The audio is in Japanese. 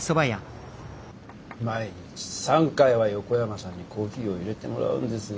毎日３回は横山さんにコーヒーをいれてもらうんですが。